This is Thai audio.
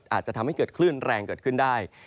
อาจจะทำให้เกิดคลื่นแรงเกิดขึ้นได้